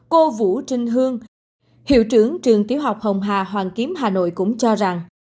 cô vũ trinh hương hiệu trưởng trường tiếu học hồng hà hoàng kiếm hà nội cũng cho rằng